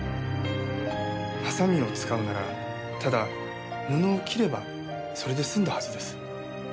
ハサミを使うならただ布を切ればそれで済んだはずです。